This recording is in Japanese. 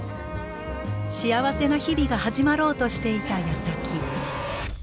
幸せな日々が始まろうとしていたやさき。